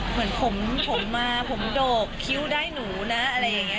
เหมือนผมมาผมโดกคิ้วได้หนูนะอะไรอย่างนี้